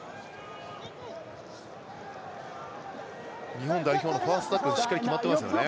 日本代表のファーストタックルしっかり決まってますよね。